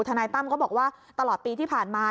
นายตั้มก็บอกว่าตลอดปีที่ผ่านมา